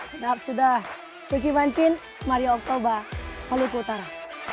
sedap sudah suki mancin maria oktober maluku utara